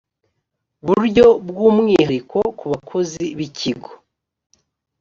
buryo bw umwihariko ku bakozi b ikigo